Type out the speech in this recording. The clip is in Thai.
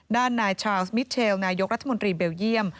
ด้านนายชาวสมิทเชลนายกรัฐมนตรีเบลเยี่ยม